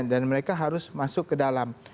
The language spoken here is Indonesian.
dan mereka harus masuk ke dalam